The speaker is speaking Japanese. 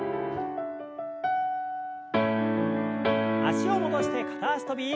脚を戻して片脚跳び。